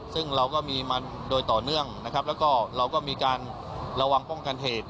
ซึ่งเราก็มีมาโดยต่อเนื่องนะครับแล้วก็เราก็มีการระวังป้องกันเหตุ